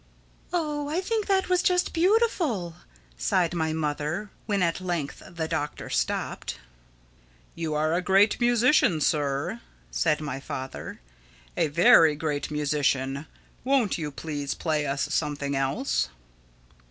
"Oh I think that was just beautiful!" sighed my mother when at length the Doctor stopped. "You are a great musician, Sir," said my father, "a very great musician. Won't you please play us something else?"